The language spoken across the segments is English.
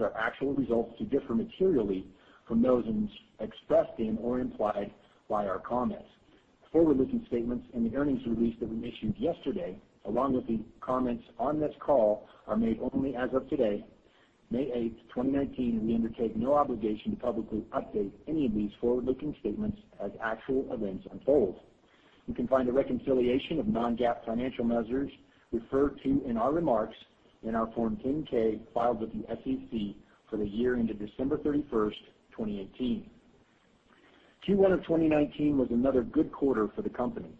cause our actual results to differ materially from those expressed, stated, or implied by our comments. Forward-looking statements in the earnings release that we issued yesterday, along with the comments on this call, are made only as of today, May 8th, 2019, and we undertake no obligation to publicly update any of these forward-looking statements as actual events unfold. You can find a reconciliation of non-GAAP financial measures referred to in our remarks in our Form 10-K filed with the SEC for the year ended December 31st, 2018. Q1 of 2019 was another good quarter for the company.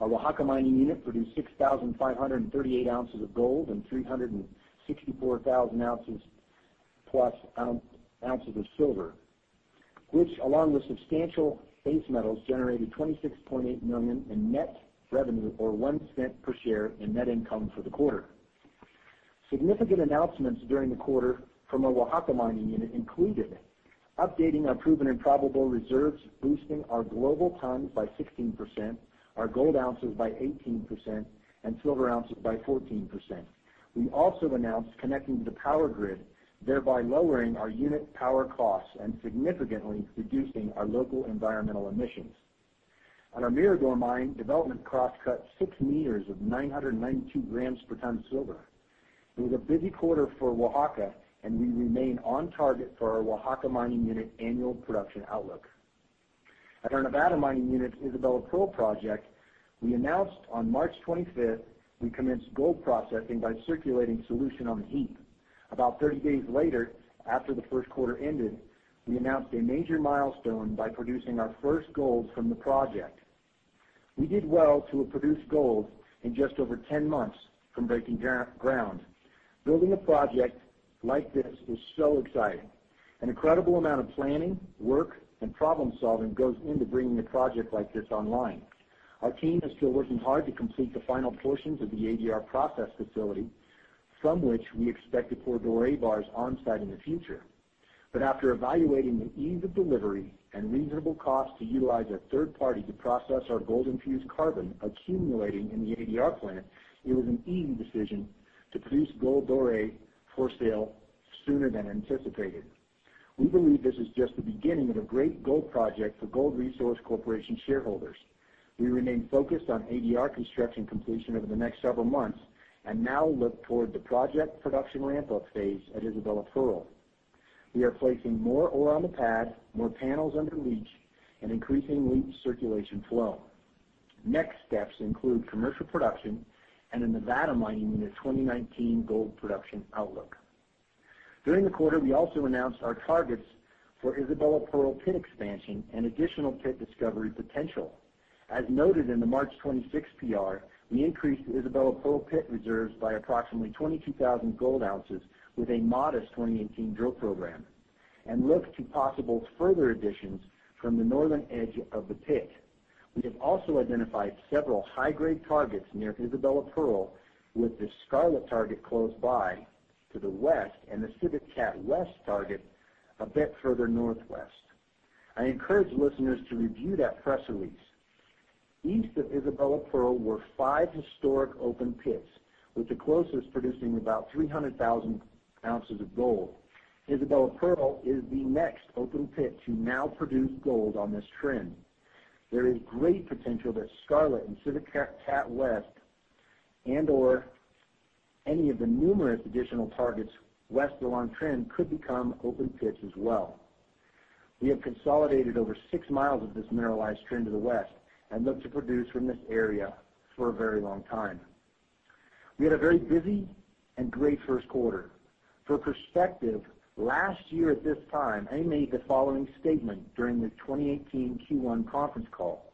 Our Oaxaca mining unit produced 6,538 ounces of gold and 364,000 ounces of silver, which, along with substantial base metals, generated $26.8 million in net revenue or $0.01 per share in net income for the quarter. Significant announcements during the quarter from our Oaxaca mining unit included updating our proven and probable reserves, boosting our global tons by 16%, our gold ounces by 18%, and silver ounces by 14%. We also announced connecting to the power grid, thereby lowering our unit power costs and significantly reducing our local environmental emissions. On our Mirador mine, development crosscut 6 meters of 992 grams per ton silver. It was a busy quarter for Oaxaca, and we remain on target for our Oaxaca mining unit annual production outlook. At our Nevada Mining unit, Isabella Pearl project, we announced on March 25th we commenced gold processing by circulating solution on the heap. About 30 days later, after the first quarter ended, we announced a major milestone by producing our first gold from the project. We did well to have produced gold in just over 10 months from breaking ground. Building a project like this is so exciting. An incredible amount of planning, work, and problem-solving goes into bringing a project like this online. Our team is still working hard to complete the final portions of the ADR process facility, from which we expect to pour doré bars on-site in the future. After evaluating the ease of delivery and reasonable cost to utilize a third party to process our gold-infused carbon accumulating in the ADR plant, it was an easy decision to produce gold doré for sale sooner than anticipated. We believe this is just the beginning of a great gold project for Gold Resource Corporation shareholders. We remain focused on ADR construction completion over the next several months and now look toward the project production ramp-up phase at Isabella Pearl. We are placing more ore on the pad, more panels under leach, and increasing leach circulation flow. Next steps include commercial production and a Nevada mining unit 2019 gold production outlook. During the quarter, we also announced our targets for Isabella Pearl pit expansion and additional pit discovery potential. As noted in the March 26th PR, we increased Isabella Pearl pit reserves by approximately 22,000 gold ounces with a modest 2018 drill program and look to possible further additions from the northern edge of the pit. We have also identified several high-grade targets near Isabella Pearl, with the Scarlet target close by to the west and the Civit Cat West target a bit further northwest. I encourage listeners to review that press release. East of Isabella Pearl were five historic open pits, with the closest producing about 300,000 ounces of gold. Isabella Pearl is the next open pit to now produce gold on this trend. There is great potential that Scarlet and Civit Cat West and/or any of the numerous additional targets west along trend could become open pits as well. We have consolidated over six miles of this mineralized trend to the west and look to produce from this area for a very long time. We had a very busy and great first quarter. For perspective, last year at this time, I made the following statement during the 2018 Q1 conference call.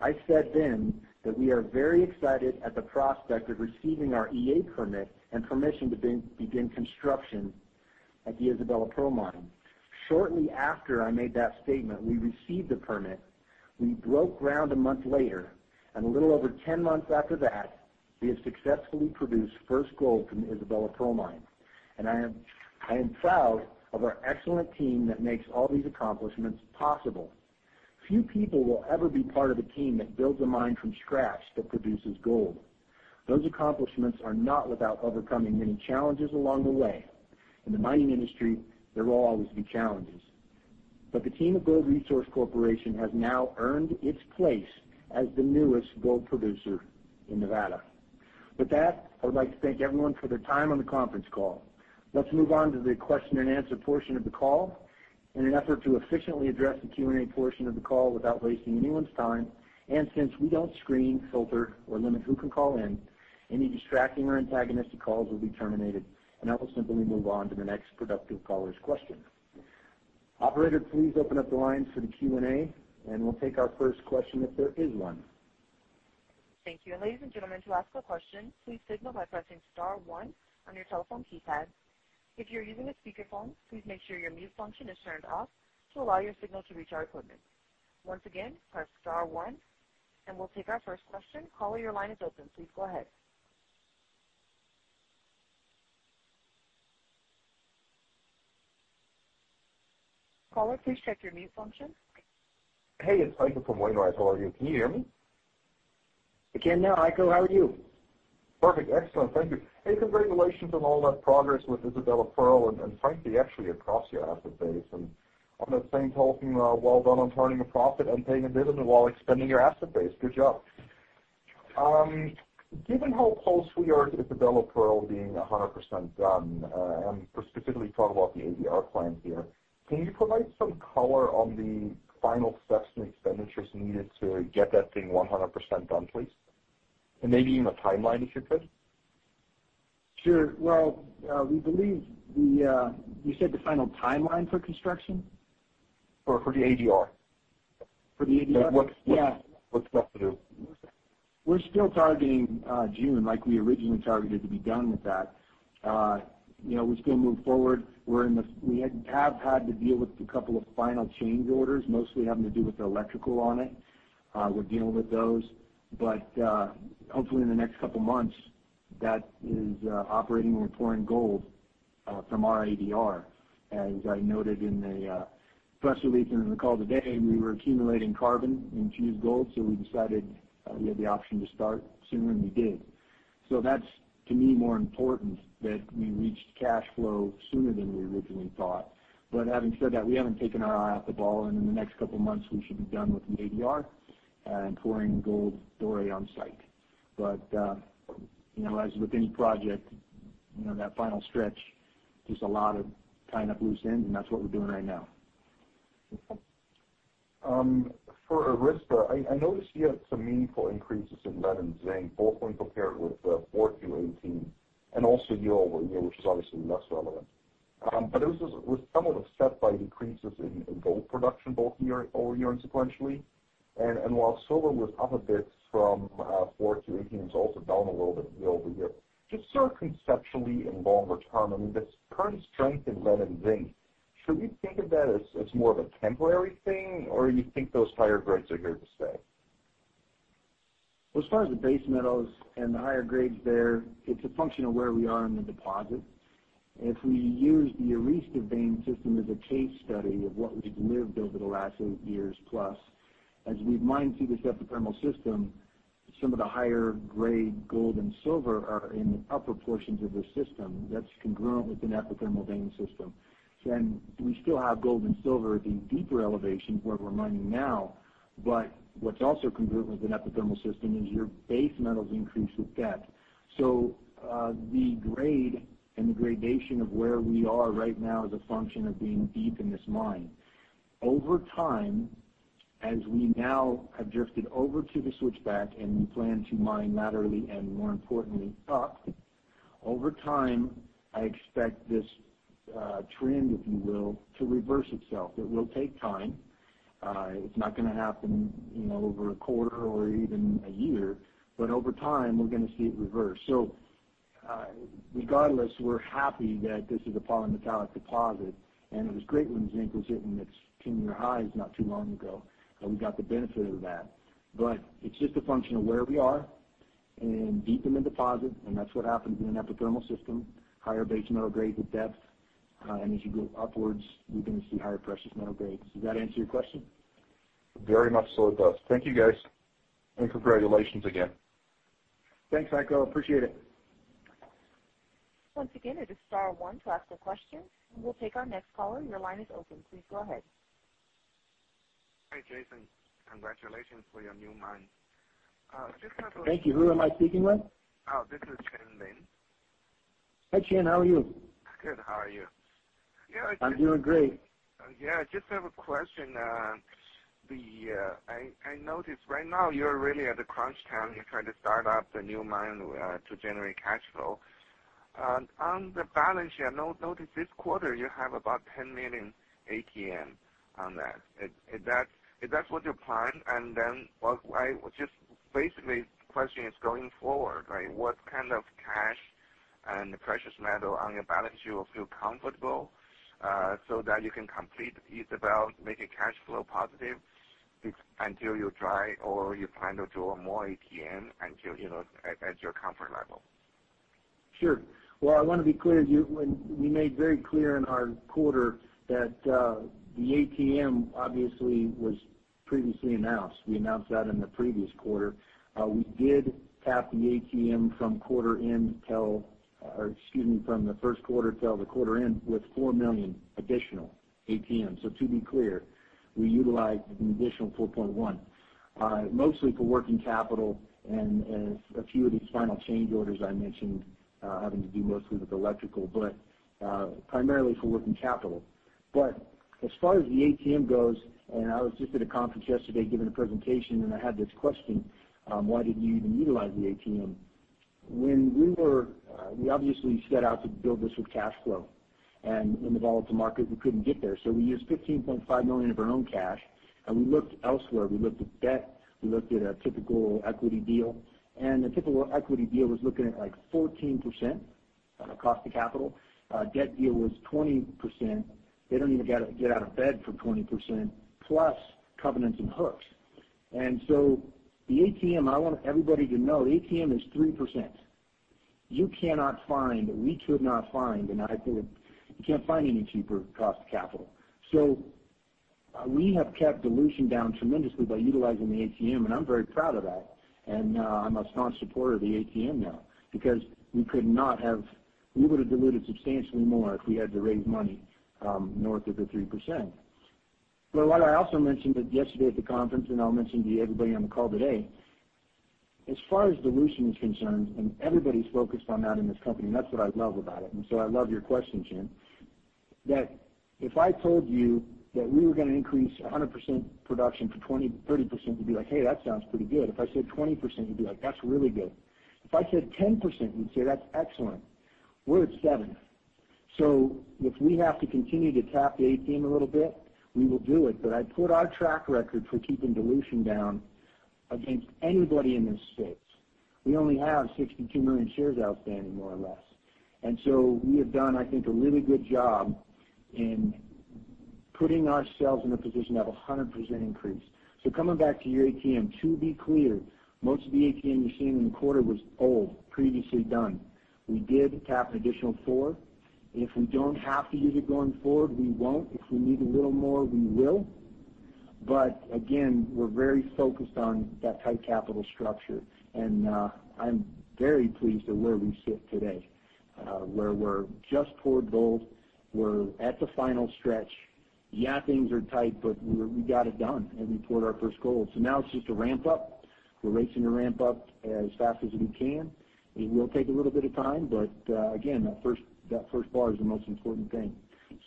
I said then that we are very excited at the prospect of receiving our EA permit and permission to begin construction at the Isabella Pearl mine. Shortly after I made that statement, we received the permit. We broke ground a month later, a little over 10 months after that, we have successfully produced first gold from the Isabella Pearl mine, and I am proud of our excellent team that makes all these accomplishments possible. Few people will ever be part of a team that builds a mine from scratch that produces gold. Those accomplishments are not without overcoming many challenges along the way. In the mining industry, there will always be challenges. The team of Gold Resource Corporation has now earned its place as the newest gold producer in Nevada. With that, I would like to thank everyone for their time on the conference call. Let's move on to the question and answer portion of the call. In an effort to efficiently address the Q&A portion of the call without wasting anyone's time, and since we don't screen, filter, or limit who can call in, any distracting or antagonistic calls will be terminated, and I will simply move on to the next productive caller's question. Operator, please open up the lines for the Q&A, and we'll take our first question if there is one. Thank you. Ladies and gentlemen, to ask a question, please signal by pressing star one on your telephone keypad. If you're using a speakerphone, please make sure your mute function is turned off to allow your signal to reach our equipment. Once again, press star one, and we'll take our first question. Caller, your line is open. Please go ahead. Caller, please check your mute function. Hey, it's Heiko from Wainwright. How are you? Can you hear me? I can now, Heiko. How are you? Perfect. Excellent, thank you. Hey, congratulations on all that progress with Isabella Pearl, frankly, actually across your asset base. On that same token, well done on turning a profit and paying a dividend while expanding your asset base. Good job. Given how close we are to Isabella Pearl being 100% done, specifically talking about the ADR plant here, can you provide some color on the final steps and expenditures needed to get that thing 100% done, please? Maybe even a timeline, if you could. Sure. Well, you said the final timeline for construction? For the ADR. For the ADR? Yeah. What's left to do? We're still targeting June like we originally targeted to be done with that. We're still moving forward. We have had to deal with a couple of final change orders, mostly having to do with the electrical on it. We're dealing with those, but hopefully in the next couple of months, that is operating and we're pouring gold from our ADR. As I noted in the press release and in the call today, we were accumulating carbon-infused gold, so we decided we had the option to start sooner and we did. That's, to me, more important that we reached cash flow sooner than we originally thought. Having said that, we haven't taken our eye off the ball, and in the next couple of months, we should be done with the ADR and pouring gold doré on site. As with any project, that final stretch, there's a lot of tying up loose ends, and that's what we're doing right now. Okay. For Arista, I noticed you have some meaningful increases in lead and zinc, both when compared with fourth Q 2018 and also year-over-year, which is obviously less relevant. I was somewhat upset by decreases in gold production both year-over-year and sequentially. While silver was up a bit from fourth Q 2018, it's also down a little bit year-over-year. Just sort of conceptually and longer term, I mean, this current strength in lead and zinc, should we think of that as more of a temporary thing, or you think those higher grades are here to stay? Well, as far as the base metals and the higher grades there, it's a function of where we are in the deposit. If we use the Arista vein system as a case study of what we've lived over the last eight years plus, as we mine through this epithermal system, some of the higher grade gold and silver are in the upper portions of the system that's congruent with an epithermal vein system. We still have gold and silver at the deeper elevations where we're mining now, but what's also congruent with an epithermal system is your base metals increase with depth. The grade and the gradation of where we are right now is a function of being deep in this mine. Over time, as we now have drifted over to the Switchback and we plan to mine laterally and, more importantly, up, over time, I expect this trend, if you will, to reverse itself. It will take time. It's not going to happen over a quarter or even a year. Over time, we're going to see it reverse. Regardless, we're happy that this is a polymetallic deposit, and it was great when zinc was hitting its 10-year highs not too long ago, and we got the benefit of that. It's just a function of where we are and deep in the deposit, and that's what happens in an epithermal system, higher base metal grades with depth. As you go upwards, you're going to see higher precious metal grades. Does that answer your question? Very much so it does. Thank you, guys. Congratulations again. Thanks, Heiko. Appreciate it. Once again, it is star one to ask a question. We'll take our next caller. Your line is open. Please go ahead. Hi, Jason. Congratulations for your new mine. Thank you. Who am I speaking with? Oh, this is Chen Lin. Hi, Chen. How are you? Good. How are you? Yeah. I'm doing great. Yeah, I just have a question. I notice right now you're really at the crunch time. You're trying to start up the new mine to generate cash flow. On the balance sheet, I noticed this quarter you have about $10 million ATM on that. Is that what you planned? Then, just basically the question is going forward, right, what kind of cash and precious metal on your balance sheet you feel comfortable so that you can complete Isabella, make it cash flow positive until you try or you plan to draw more ATM at your comfort level? Sure. Well, I want to be clear. We made very clear in our quarter that the ATM obviously was previously announced. We announced that in the previous quarter. We did tap the ATM from the first quarter till the quarter end with $4 million additional ATM. To be clear, we utilized an additional $4.1, mostly for working capital and a few of these final change orders I mentioned, having to do mostly with electrical, but primarily for working capital. As far as the ATM goes, I was just at a conference yesterday giving a presentation, I had this question, "Why didn't you even utilize the ATM?" We obviously set out to build this with cash flow, in the volatile market, we couldn't get there. We used $15.5 million of our own cash, we looked elsewhere. We looked at debt. We looked at a typical equity deal, the typical equity deal was looking at, like, 14% cost of capital. Debt deal was 20%. They don't even get out of bed for 20%, plus covenants and hooks. The ATM, I want everybody to know, ATM is 3%. You cannot find, we could not find, I believe you can't find any cheaper cost of capital. We have kept dilution down tremendously by utilizing the ATM, I'm very proud of that. I'm a strong supporter of the ATM now, because we would have diluted substantially more if we had to raise money north of the 3%. What I also mentioned yesterday at the conference, and I'll mention to everybody on the call today, as far as dilution is concerned, and everybody's focused on that in this company, I love your question, Chen. If I told you that we were going to increase 100% production for 20%, 30%, you'd be like, "Hey, that sounds pretty good." If I said 20%, you'd be like, "That's really good." If I said 10%, you'd say, "That's excellent." We're at seven. If we have to continue to tap the ATM a little bit, we will do it. I'd put our track record for keeping dilution down against anybody in this space. We only have 62 million shares outstanding, more or less. We have done, I think, a really good job in putting ourselves in a position to have 100% increase. Coming back to your ATM, to be clear, most of the ATM you're seeing in the quarter was old, previously done. We did tap an additional four. If we don't have to use it going forward, we won't. If we need a little more, we will. Again, we're very focused on that tight capital structure. I'm very pleased at where we sit today, where we're just poured gold. We're at the final stretch. Yeah, things are tight, but we got it done, and we poured our first gold. Now it's just a ramp-up. We're waiting to ramp up as fast as we can. It will take a little bit of time, again, that first bar is the most important thing.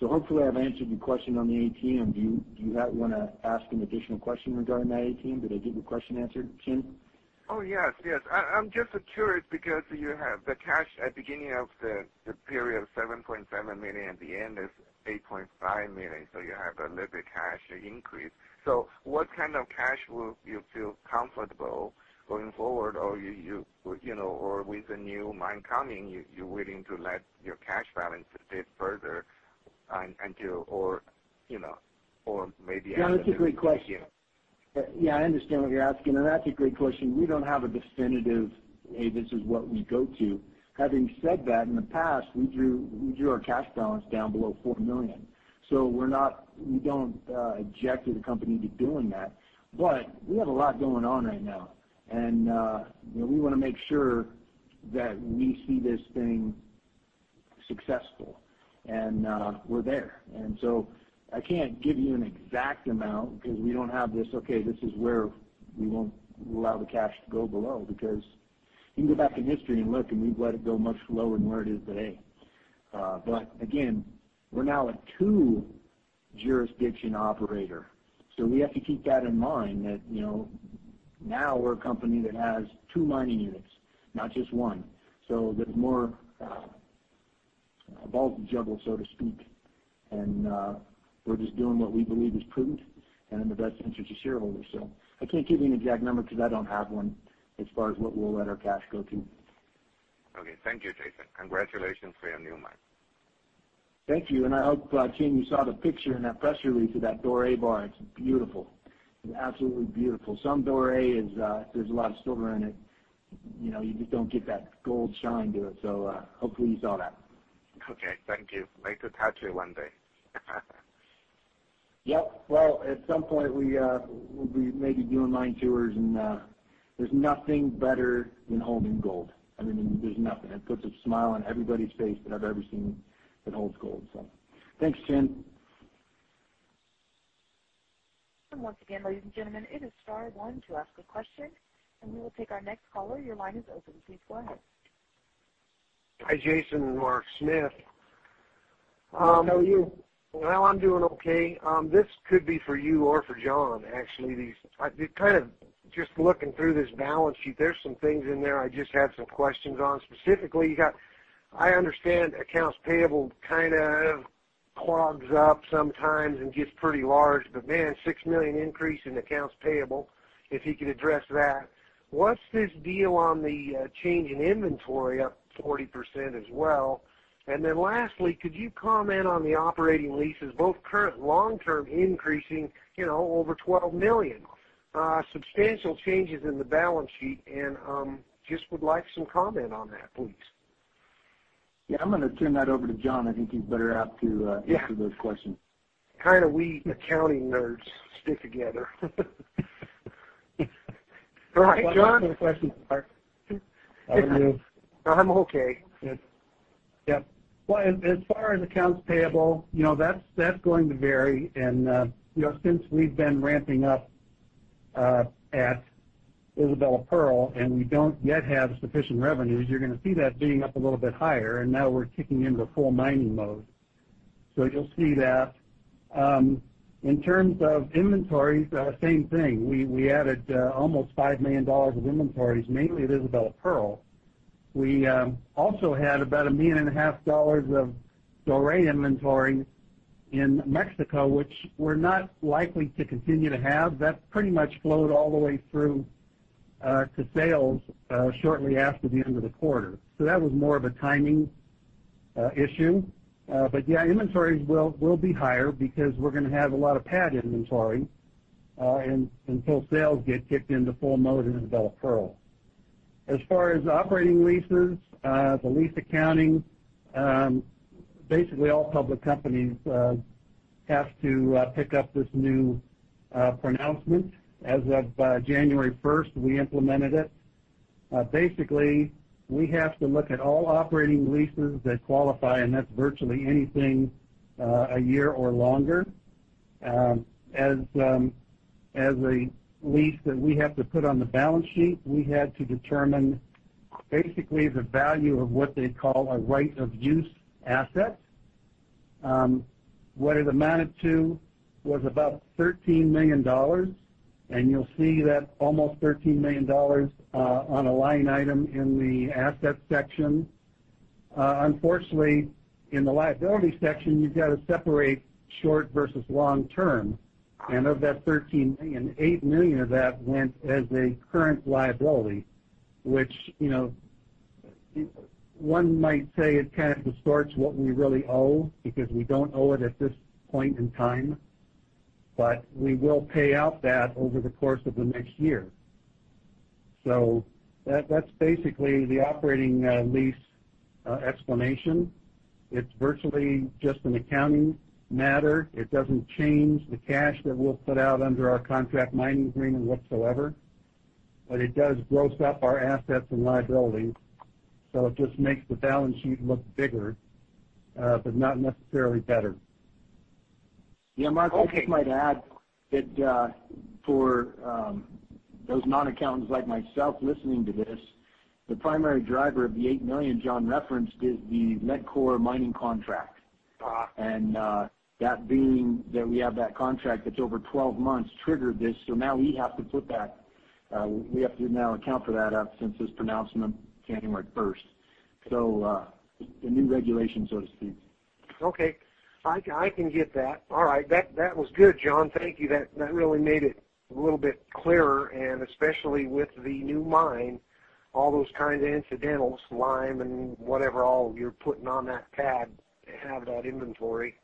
Hopefully I've answered your question on the ATM. Do you want to ask an additional question regarding that ATM? Did I get your question answered, Chen? Oh, yes. I'm just curious because you have the cash at beginning of the period, $7.7 million, at the end is $8.5 million, so you have a little bit cash increase. What kind of cash will you feel comfortable going forward, or with the new mine coming, you're willing to let your cash balance dip further until, or maybe? No, that's a great question. Yeah, I understand what you're asking, and that's a great question. We don't have a definitive, "Hey, this is what we go to." In the past, we drew our cash balance down below $4 million. We don't object to the company to doing that. We have a lot going on right now, and we want to make sure that we see this thing successful, and we're there. I can't give you an exact amount because we don't have this, "Okay, this is where we won't allow the cash to go below," because you can go back in history and look, and we've let it go much lower than where it is today. Again, we're now a two-jurisdiction operator. We have to keep that in mind that now we're a company that has two mining units, not just one. There's more balls to juggle, so to speak. We're just doing what we believe is prudent and in the best interest of shareholders. I can't give you an exact number because I don't have one as far as what we'll let our cash go to. Okay. Thank you, Jason. Congratulations for your new mine. Thank you. I hope, Chen, you saw the picture in that press release of that doré bar. It's beautiful. It's absolutely beautiful. Some doré, there's a lot of silver in it. You just don't get that gold shine to it. Hopefully you saw that. Okay. Thank you. Like to touch it one day. Yep. Well, at some point, we'll be maybe doing mine tours and there's nothing better than holding gold. I mean, there's nothing. It puts a smile on everybody's face that I've ever seen that holds gold. Thanks, Chen. Once again, ladies and gentlemen, it is star one to ask a question, and we will take our next caller. Your line is open. Please go ahead. Hi, Jason, Mark Smith. How are you? Well, I'm doing okay. This could be for you or for John, actually. Just looking through this balance sheet, there's some things in there I just have some questions on. Specifically, I understand accounts payable kind of clogs up sometimes and gets pretty large. Man, $6 million increase in accounts payable, if you could address that. What's this deal on the change in inventory up 40% as well? Lastly, could you comment on the operating leases, both current long-term increasing over $12 million? Substantial changes in the balance sheet, just would like some comment on that, please. Yeah, I'm going to turn that over to John. I think he's better apt to answer those questions. Yeah. Kind of we accounting nerds stick together. Right, John? Good question, Mark. How are you? I'm okay. Good. Yep. Well, as far as accounts payable, that's going to vary. Since we've been ramping up at Isabella Pearl and we don't yet have sufficient revenues, you're going to see that being up a little bit higher, and now we're kicking into full mining mode. You'll see that. In terms of inventories, same thing. We added almost $5 million of inventories, mainly at Isabella Pearl. We also had about a million and a half dollars of doré inventory in Mexico, which we're not likely to continue to have. That pretty much flowed all the way through to sales shortly after the end of the quarter. That was more of a timing issue. Yeah, inventories will be higher because we're going to have a lot of pad inventory until sales get kicked into full mode in Isabella Pearl. As far as operating leases, the lease accounting, basically, all public companies have to pick up this new pronouncement. As of January 1st, we implemented it. Basically, we have to look at all operating leases that qualify, and that's virtually anything a year or longer. As a lease that we have to put on the balance sheet, we had to determine basically the value of what they call a right-of-use asset, where the amount it to was about $13 million. You'll see that almost $13 million on a line item in the asset section. Unfortunately, in the liability section, you've got to separate short versus long-term. Of that $13 million, $8 million of that went as a current liability, which one might say it kind of distorts what we really owe because we don't owe it at this point in time. We will pay out that over the course of the next year. That's basically the operating lease explanation. It's virtually just an accounting matter. It doesn't change the cash that we'll put out under our contract mining agreement whatsoever. It does gross up our assets and liabilities, so it just makes the balance sheet look bigger, but not necessarily better. Yeah, Mark, I just might add that for those non-accountants like myself listening to this, the primary driver of the $8 million John referenced is the Mincore mining contract. That being that we have that contract that's over 12 months triggered this, now we have to now account for that since this pronouncement January 1st. The new regulation, so to speak. Okay. I can get that. All right. That was good, John. Thank you. That really made it a little bit clearer, and especially with the new mine, all those kinds of incidentals, lime and whatever all you're putting on that pad to have that inventory.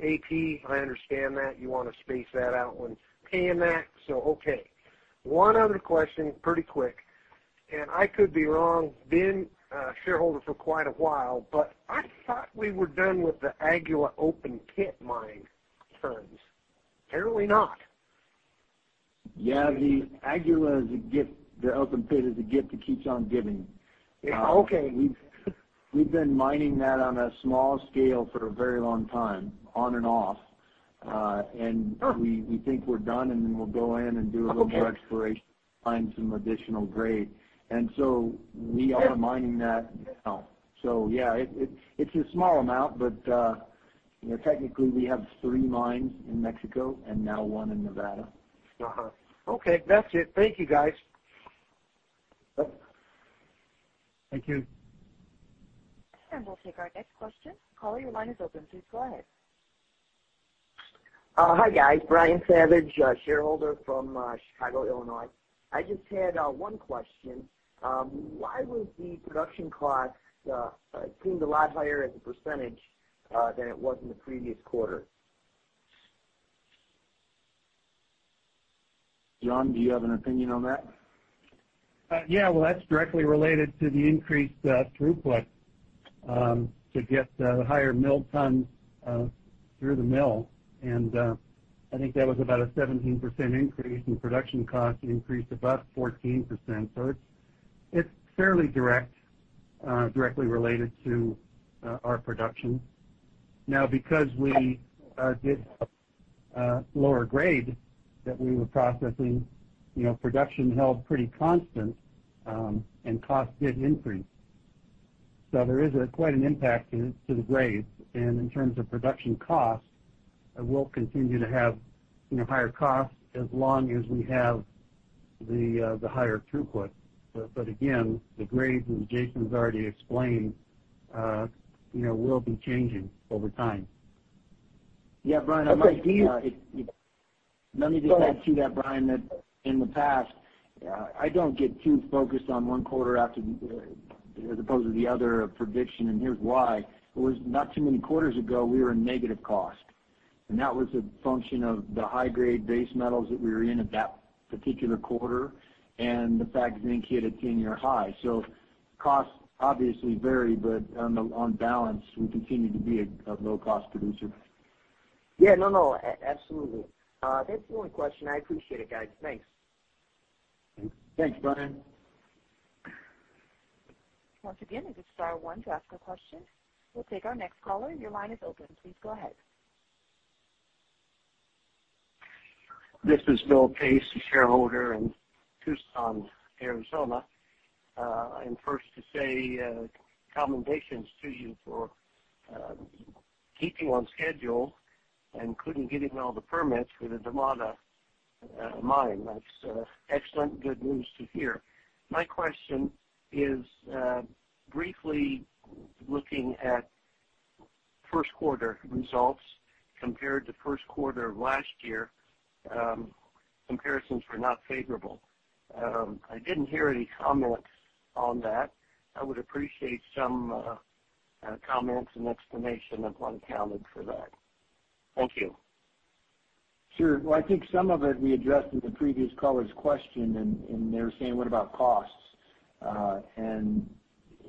AP, I understand that you want to space that out when paying that, okay. One other question, pretty quick, and I could be wrong, been a shareholder for quite a while, but I thought we were done with the Aguila open pit mine terms. Apparently not. Yeah, the Aguila, the open pit is a gift that keeps on giving. Okay. We've been mining that on a small scale for a very long time, on and off. We think we're done, and then we'll go in. Okay a little more exploration to find some additional grade. We are mining that now. Yeah, it's a small amount, but technically we have three mines in Mexico and now one in Nevada. Okay. That's it. Thank you, guys. Thank you. We'll take our next question. Caller, your line is open. Please go ahead. Hi, guys. Brian Savage, a shareholder from Chicago, Illinois. I just had one question. Why was the production cost seemed a lot higher as a % than it was in the previous quarter? John, do you have an opinion on that? Yeah. Well, that's directly related to the increased throughput, to get the higher mill tons through the mill. I think that was about a 17% increase, and production costs increased about 14%. It's fairly directly related to our production. Now because we did lower grade that we were processing, production held pretty constant, and costs did increase. There is quite an impact to the grades. In terms of production costs, we'll continue to have higher costs as long as we have the higher throughput. Again, the grades, as Jason's already explained, will be changing over time. Yeah, Brian, I might- Okay. Do you- Let me just add to that, Brian, that in the past, I don't get too focused on one quarter as opposed to the other, a prediction, and here's why. It was not too many quarters ago, we were in negative cost. That was a function of the high-grade base metals that we were in at that particular quarter and the fact zinc hit a 10-year high. Costs obviously vary, but on balance, we continue to be a low-cost producer. Yeah. No, absolutely. That's the only question. I appreciate it, guys. Thanks. Thanks, Brian. Once again, you can star one to ask a question. We'll take our next caller. Your line is open. Please go ahead. This is Bill Pace, a shareholder in Tucson, Arizona. First to say commendations to you for keeping on schedule and including getting all the permits for the [Damada mine]. That's excellent, good news to hear. My question is, briefly looking at. First quarter results compared to first quarter of last year, comparisons were not favorable. I didn't hear any comments on that. I would appreciate some comments and explanation of what accounted for that. Thank you. Sure. Well, I think some of it we addressed with the previous caller's question and they were saying, what about costs?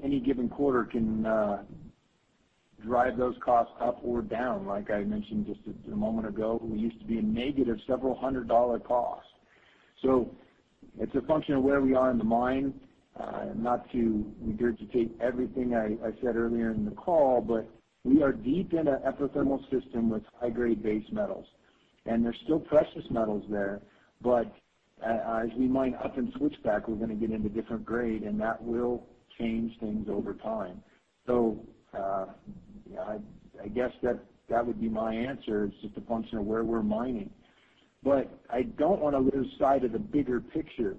Any given quarter can drive those costs up or down. Like I mentioned just a moment ago, we used to be a negative several hundred dollar cost. It's a function of where we are in the mine. Not to regurgitate everything I said earlier in the call, but we are deep in an epithermal system with high-grade base metals. There's still precious metals there, but as we mine up in Switchback, we're going to get into different grade, and that will change things over time. I guess that would be my answer. It's just a function of where we're mining. I don't want to lose sight of the bigger picture.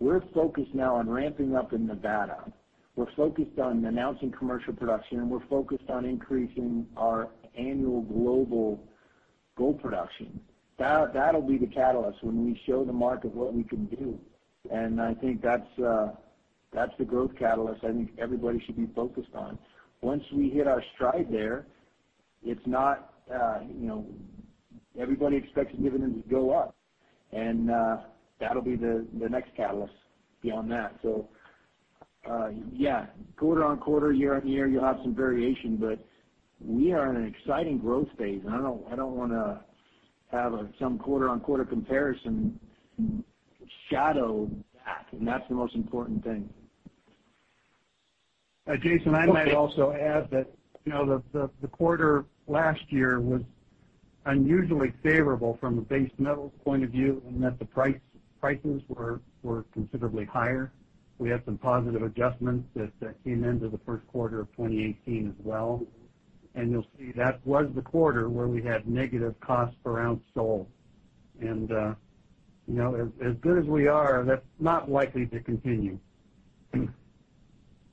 We're focused now on ramping up in Nevada. We're focused on announcing commercial production, and we're focused on increasing our annual global gold production. That'll be the catalyst, when we show the market what we can do. I think that's the growth catalyst I think everybody should be focused on. Once we hit our stride there, everybody expects the dividends to go up, and that'll be the next catalyst beyond that. Yeah, quarter-on-quarter, year-on-year, you'll have some variation, but we are in an exciting growth phase, and I don't want to have some quarter-on-quarter comparison shadow that, and that's the most important thing. Jason, I might also add that the quarter last year was unusually favorable from a base metals point of view in that the prices were considerably higher. We had some positive adjustments that came into the first quarter of 2018 as well. You'll see that was the quarter where we had negative cost per ounce sold. As good as we are, that's not likely to continue.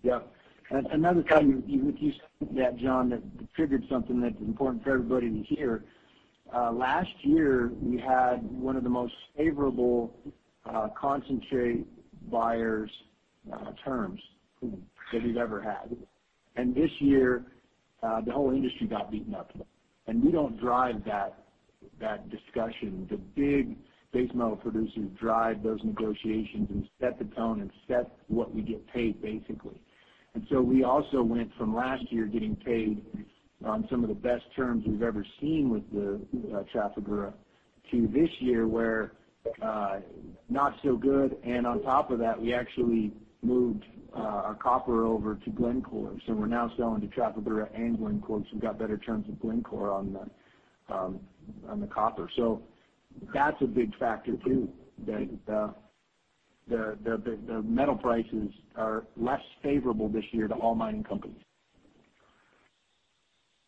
Yep. Another time you said that, John, that triggered something that's important for everybody to hear. Last year, we had one of the most favorable concentrate buyers terms that we've ever had. This year, the whole industry got beaten up. We don't drive that discussion. The big base metal producers drive those negotiations and set the tone and set what we get paid, basically. We also went from last year getting paid on some of the best terms we've ever seen with the Trafigura to this year, where not so good, and on top of that, we actually moved our copper over to Glencore. We're now selling to Trafigura and Glencore, because we got better terms with Glencore on the copper. That's a big factor, too, that the metal prices are less favorable this year to all mining companies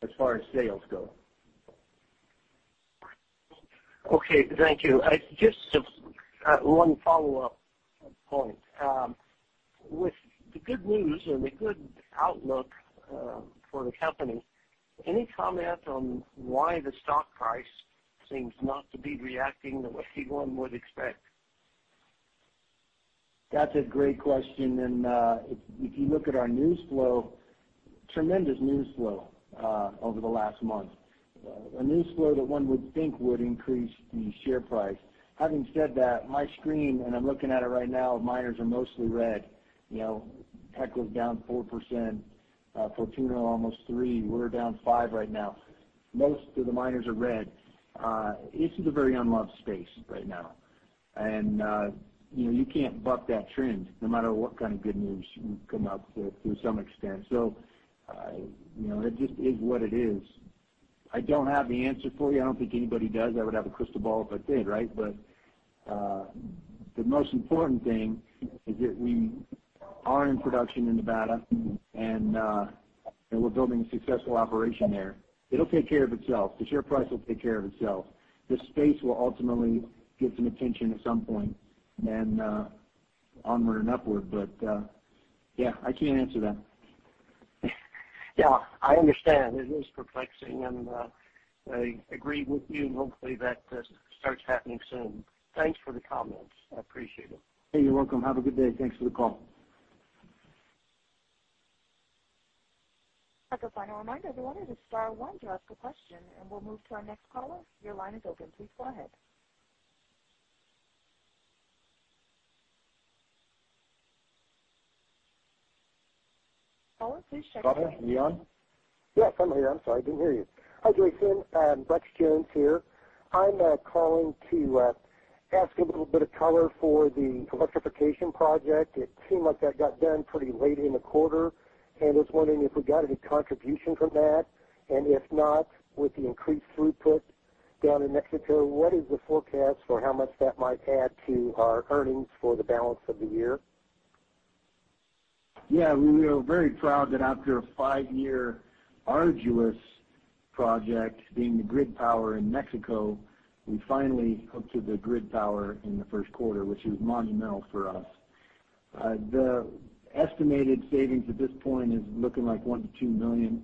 as far as sales go. Okay. Thank you. Just one follow-up point. With the good news and the good outlook for the company, any comment on why the stock price seems not to be reacting the way one would expect? That's a great question, if you look at our news flow, tremendous news flow over the last month, a news flow that one would think would increase the share price. Having said that, my screen, and I'm looking at it right now, miners are mostly red. Teck was down 4%, Fortuna almost three, we're down five right now. Most of the miners are red. This is a very unloved space right now. You can't buck that trend, no matter what kind of good news you come out with, to some extent. It just is what it is. I don't have the answer for you. I don't think anybody does. I would have a crystal ball if I did, right? The most important thing is that we are in production in Nevada and we're building a successful operation there. It'll take care of itself. The share price will take care of itself. The space will ultimately get some attention at some point and onward and upward. Yeah, I can't answer that. Yeah, I understand. It is perplexing, and I agree with you, and hopefully that starts happening soon. Thanks for the comments. I appreciate it. Hey, you're welcome. Have a good day. Thanks for the call. As a final reminder, everyone, it is star one to ask a question, and we'll move to our next caller. Your line is open. Please go ahead. Caller, please check your mute. Brett, are you on? Yes, I'm here. I'm sorry, I didn't hear you. Hi, Jason. Brett Jones here. I'm calling to ask a little bit of color for the electrification project. It seemed like that got done pretty late in the quarter. I was wondering if we got any contribution from that, if not, with the increased throughput down in Mexico, what is the forecast for how much that might add to our earnings for the balance of the year? We are very proud that after a five-year arduous project, being the grid power in Mexico, we finally hooked to the grid power in the first quarter, which is monumental for us. The estimated savings at this point is looking like $1 million-$2 million.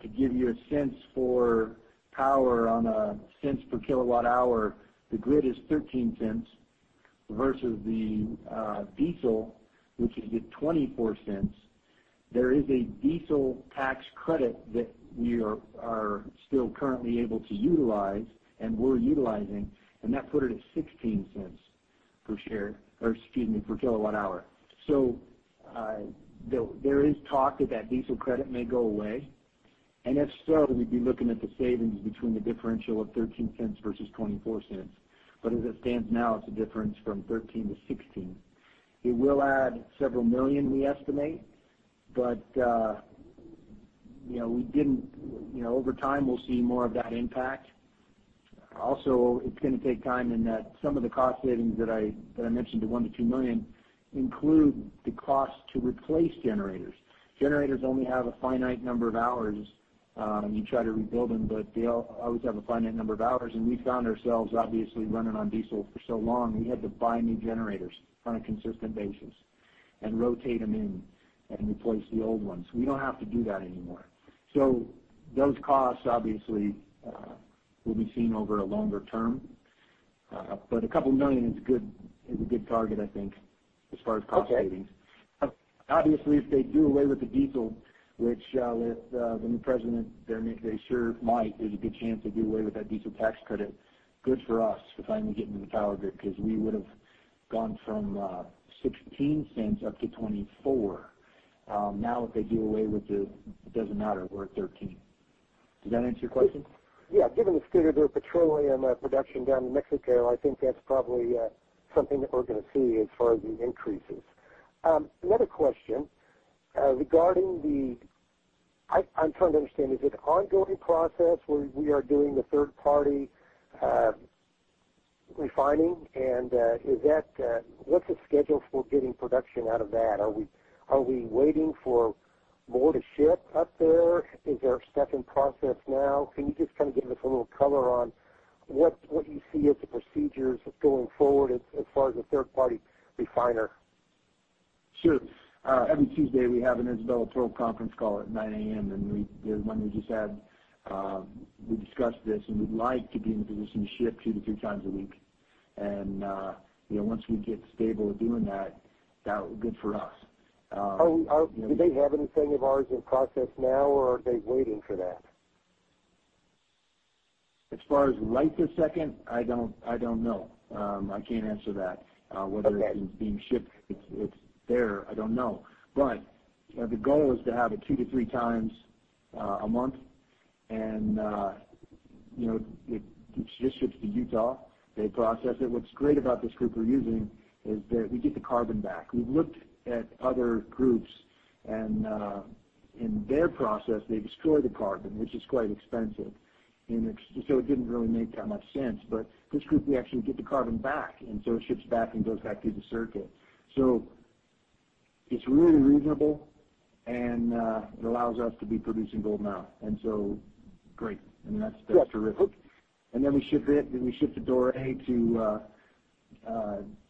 To give you a sense for power on a cents per kilowatt hour, the grid is $0.13 versus the diesel, which is at $0.24. There is a diesel tax credit that we are still currently able to utilize, and we're utilizing, and that put it at $0.16 per kilowatt hour. There is talk that diesel credit may go away. If so, we'd be looking at the savings between the differential of $0.13 versus $0.24. As it stands now, it's a difference from $0.13 to $0.16. It will add several million, we estimate. Over time, we'll see more of that impact. Also, it's going to take time in that some of the cost savings that I mentioned, the $1 million-$2 million, include the cost to replace generators. Generators only have a finite number of hours. You try to rebuild them, they always have a finite number of hours, we found ourselves, obviously, running on diesel for so long, we had to buy new generators on a consistent basis and rotate them in and replace the old ones. We don't have to do that anymore. Those costs obviously, will be seen over a longer term. A couple million is a good target, I think, as far as cost savings. Okay. If they do away with the diesel, which with the new president, they sure might. There's a good chance they do away with that diesel tax credit. Good for us, because I am getting to the power grid, because we would've gone from $0.16 up to $0.24. If they do away with it doesn't matter. We're at $0.13. Does that answer your question? Yeah. Given the state of their petroleum production down in Mexico, I think that's probably something that we're going to see as far as the increases. Another question. I'm trying to understand, is it an ongoing process where we are doing the third-party refining, and what's the schedule for getting production out of that? Are we waiting for more to ship up there? Is there stuff in process now? Can you just give us a little color on what you see as the procedures going forward as far as a third-party refiner? Sure. Every Tuesday, we have an Isabella Pearl conference call at 9:00 A.M. The one we just had, we discussed this. We'd like to be in the position to ship two to three times a week. Once we get stable at doing that would be good for us. Do they have anything of ours in process now, or are they waiting for that? As far as right this second, I don't know. I can't answer that. Okay. Whether it's being shipped, it's there, I don't know. The goal is to have it two to three times a month, It just ships to Utah. They process it. What's great about this group we're using is that we get the carbon back. We've looked at other groups, In their process, they destroy the carbon, which is quite expensive. It didn't really make that much sense. This group, we actually get the carbon back, It ships back and goes back through the circuit. It's really reasonable, It allows us to be producing gold now, Great. I mean, that's terrific. Yeah. Okay. We ship the doré to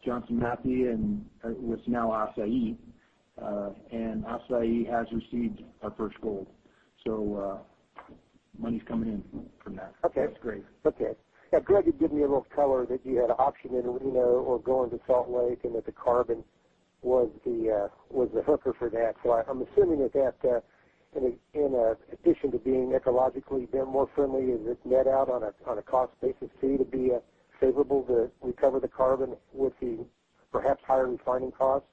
Johnson Matthey, what's now Asahi has received our first gold. Money's coming in from that. Okay. That's great. Okay. Yeah, Greg had given me a little color that you had an option in Reno or going to Salt Lake, and that the carbon was the hook for that. I'm assuming that that, in addition to being ecologically more friendly, is it net out on a cost basis, too, to be favorable to recover the carbon with the perhaps higher refining costs?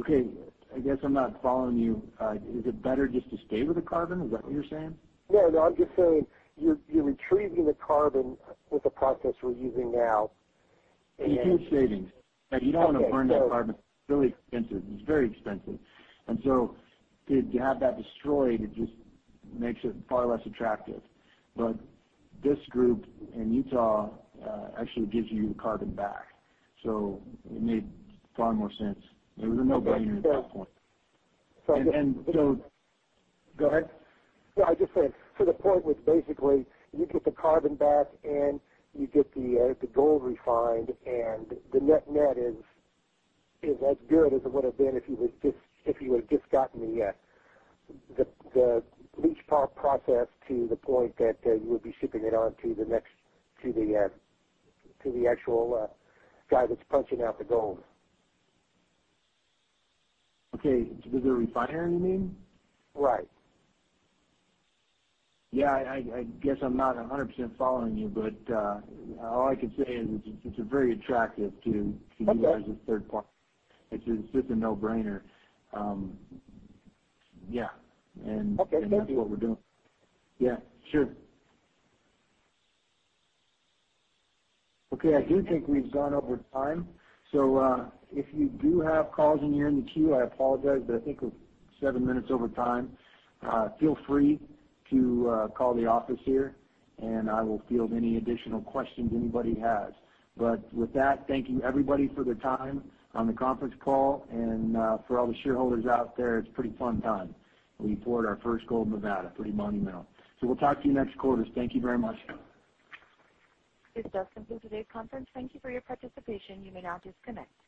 Okay. I guess I'm not following you. Is it better just to stay with the carbon? Is that what you're saying? No, I'm just saying, you're retrieving the carbon with the process we're using now. It is savings. Okay. You don't want to burn that carbon. It's really expensive. It's very expensive. To have that destroyed, it just makes it far less attractive. This group in Utah actually gives you the carbon back, so it made far more sense. It was a no-brainer at that point. So- Go ahead. Yeah, I just said, so the point was basically you get the carbon back and you get the gold refined and the net-net is as good as it would've been if you had just gotten the leach pad process to the point that you would be shipping it on to the actual guy that's punching out the gold. Okay. To the refiner, you mean? Right. Yeah, I guess I'm not 100% following you, but all I can say is it's very attractive to- Okay use a third party. It's just a no-brainer. Yeah. Okay. Thank you. That's what we're doing. Yeah, sure. Okay, I do think we've gone over time. If you do have calls and you're in the queue, I apologize, but I think we're 7 minutes over time. Feel free to call the office here, and I will field any additional questions anybody has. With that, thank you everybody for their time on the conference call, and for all the shareholders out there, it's a pretty fun time. We poured our first gold in Nevada, pretty monumental. We'll talk to you next quarter. Thank you very much. This does conclude today's conference. Thank you for your participation. You may now disconnect.